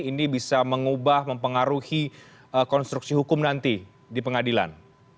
ini bisa mengubah mempengaruhi konstruksi hukum nanti di pengadilan